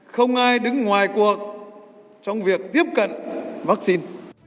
không ai đứng ngoài cuộc trong việc tiếp cận vắc xin